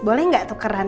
boleh gak tukeran